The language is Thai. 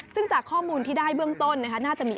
ซึ่งจากข้อมูลที่ได้เบื้องต้นน่าจะมี